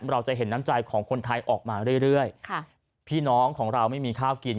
เราจะเห็นน้ำใจของคนไทยออกมาเรื่อยพี่น้องของเราไม่มีข้าวกิน